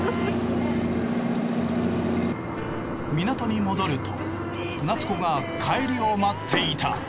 港に戻ると夏子が帰りを待っていた。